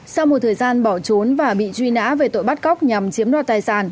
sau một thời gian bỏ trốn và bị truy nã về tội bắt cóc nhằm chiếm đoạt tài sản